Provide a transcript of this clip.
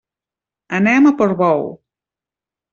Anem a Portbou.